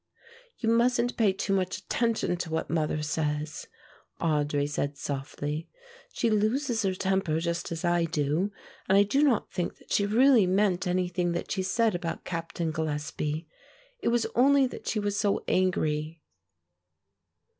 "You mustn't pay too much attention to what mother says," Audry said softly. "She loses her temper just as I do and I do not think that she really meant anything that she said about Captain Gillespie. It was only that she was so angry."